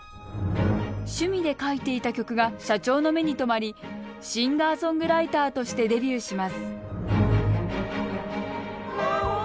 趣味で書いていた曲が社長の目に留まりシンガーソングライターとしてデビューします